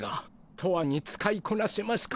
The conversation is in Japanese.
とわに使いこなせますか？